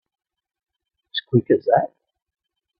As quick as that?